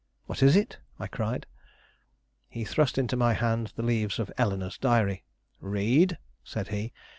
"What is it?" I cried. He thrust into my hand the leaves of Eleanore's Diary. "Read," said he.